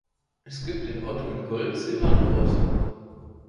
Es gibt den Otto in Gold, Silber und Bronze.